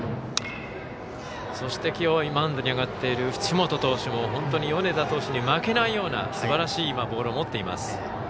そして、きょうはマウンドに上がっている淵本投手も本当に米田投手に負けないようなすばらしいボールを持っています。